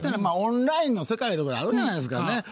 まあオンラインの世界とかあるじゃないですかね。